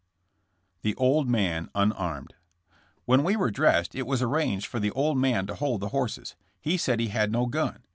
THE OLD MAN UNARMED. When we were dressed it was arranged for the old man to hold the horses. He said he had no gun.